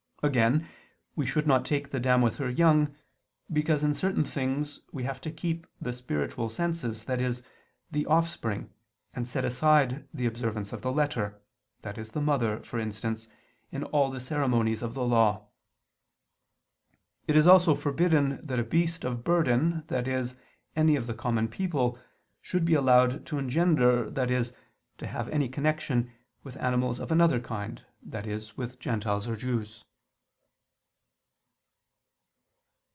Again, we should not take the dam with her young: because in certain things we have to keep the spiritual senses, i.e. the offspring, and set aside the observance of the letter, i.e. the mother, for instance, in all the ceremonies of the Law. It is also forbidden that a beast of burden, i.e. any of the common people, should be allowed to engender, i.e. to have any connection, with animals of another kind, i.e. with Gentiles or Jews.